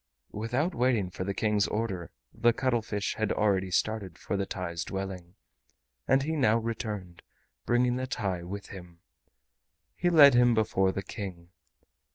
Without waiting for the King's order the cuttlefish had already started for the TAI'S dwelling, and he now returned, bringing the TAI with him. He led him before the King.